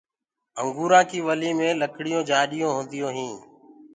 انگوُرآنٚ ڪيٚ ولي مي لڪڙيو جآڏيونٚ هونديونٚ هينٚ۔